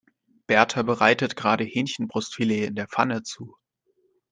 Berta bereitet gerade Hähnchenbrustfilet in der Pfanne zu.